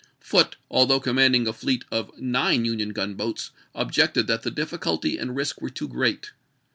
Foote, although commanding a fleet of nine Union gunboats, objected that the difficulty and risk were too great.